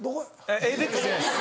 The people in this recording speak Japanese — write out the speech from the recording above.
エイベックスじゃないです。